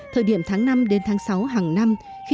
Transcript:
thời điểm tháng năm đến tháng sáu hàng năm